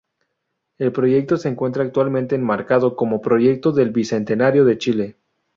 El proyecto se encuentra actualmente enmarcado como Proyecto del Bicentenario de Chile.